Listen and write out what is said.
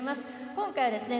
今回はですね